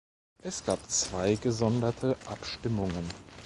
Es gab zwei gesonderte Abstimmungen.